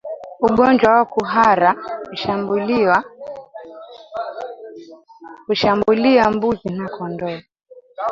Ugonjwa wa kuhara hushambulia mbuzi na kondoo